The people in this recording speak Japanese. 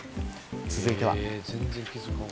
続いては。